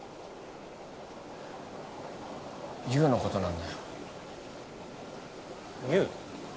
優のことなんだよ優？